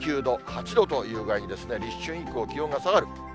９度、８度という具合にですね、立春以降、気温が下がる。